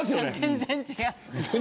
全然違う。